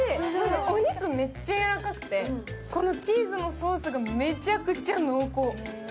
お肉めっちゃやわらかくてこのチーズのソースがめちゃくちゃ濃厚。